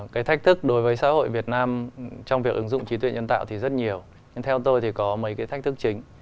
cái thách thức đối với xã hội việt nam trong việc ứng dụng trí tuệ nhân tạo thì rất nhiều nhưng theo tôi thì có mấy cái thách thức chính